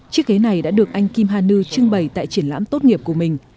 chiếc ghế này đã được anh kim ha nu trưng bày tại triển lãm tốt nghiệp của mình